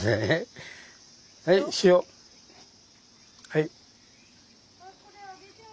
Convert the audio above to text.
はい。